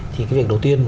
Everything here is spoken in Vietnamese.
thì cái việc đầu tiên